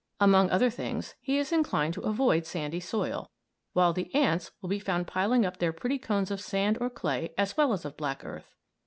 Among other things, he is inclined to avoid sandy soil, while the ants will be found piling up their pretty cones of sand or clay as well as of black earth.